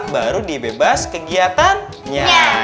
baru dibebas kegiatannya ya